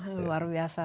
wah luar biasa